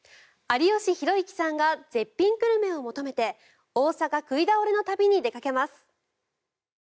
有吉弘行さんが絶品グルメを求めて大阪、食い倒れの旅に出かけます。